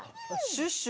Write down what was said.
シュッシュ？